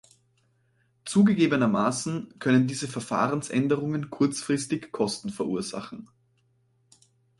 Zugegebenermaßen können diese Verfahrensänderungen kurzfristig Kosten verursachen.